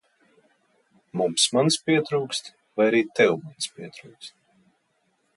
Mums manis pietrūkst, vai arī tev manis pietrūkst?